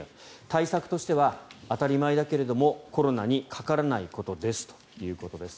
対策としては当たり前だけどもコロナにかからないことですということです。